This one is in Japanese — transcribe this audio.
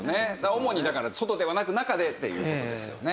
主にだから外ではなく中でっていう事ですよね。